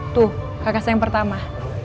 tuh kakak saya yang pertama